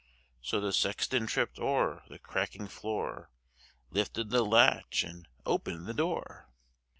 So the sexton tripped o'er the creaking floor, Lifted the latch and opened the door.